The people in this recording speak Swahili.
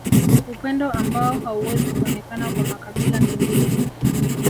Upendo ambao hauwezi kuonekana kwa makabila mengine